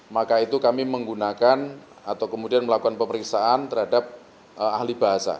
maka itu kami menggunakan atau kemudian melakukan pemeriksaan terhadap ahli bahasa